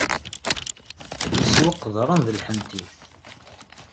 Iswa qeḍran d lḥentit.